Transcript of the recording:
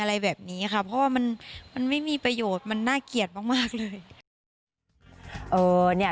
อะไรแบบนี้ค่ะเพราะว่ามันไม่มีประโยชน์มันน่าเกลียดมากเลย